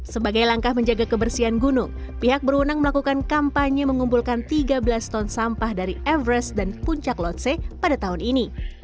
sebagai langkah menjaga kebersihan gunung pihak berwenang melakukan kampanye mengumpulkan tiga belas ton sampah dari everest dan puncak lotse pada tahun ini